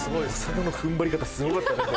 長田の踏ん張り方すごかった。